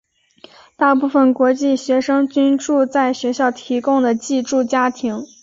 大部分国际学生均住在学校提供的寄住家庭。